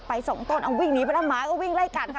สองต้นเอาวิ่งหนีไปแล้วหมาก็วิ่งไล่กัดค่ะ